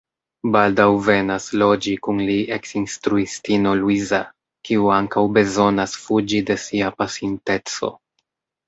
Baldaŭ venas loĝi kun li eksinstruistino Luiza, kiu ankaŭ bezonas fuĝi de sia pasinteco.